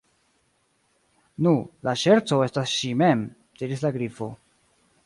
"Nu, la ŝerco estas ŝi_ mem," diris la Grifo.